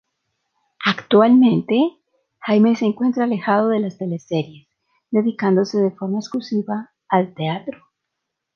Actualmente Jaime se encuentra alejado de las teleseries, dedicándose de forma exclusiva al teatro.